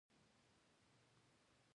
دا نیوکې عمدتاً د کیڼ رادیکال اړخ دي.